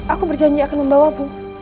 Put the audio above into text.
aku berjanji akan membawamu